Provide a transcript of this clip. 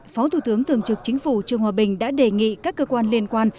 phó thủ tướng tường trực chính phủ trung hòa bình đã đề nghị các cơ quan liên quan